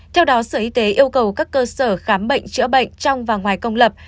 theo đó sở y tế yêu cầu các cơ sở khám bệnh chữa bệnh trong và ngoài công lập